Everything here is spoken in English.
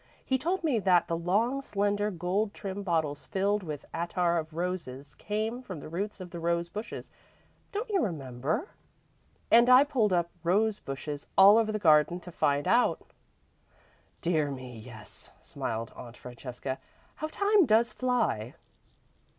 He told me that the long, slender gold trimmed bottles filled with attar of roses came from the roots of the rose bushes don't you remember? And I pulled up rose bushes all over the garden to find out." "Dear me, yes," smiled Aunt Francesca. "How time does fly!"